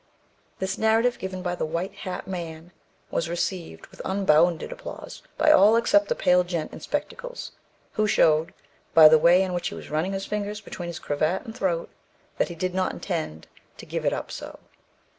This narrative, given by the white hat man, was received with unbounded applause by all except the pale gent in spectacles, who showed, by the way in which he was running his fingers between his cravat and throat, that he did not intend to "give it up so."